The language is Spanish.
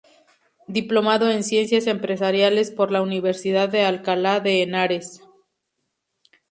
Diplomado en Ciencias Empresariales por la Universidad de Alcalá de Henares.